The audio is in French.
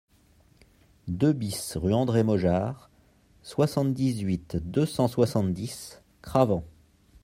deux BIS rue André Mojard, soixante-dix-huit, deux cent soixante-dix, Cravent